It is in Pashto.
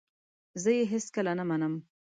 زه یې هیڅکله نه منم !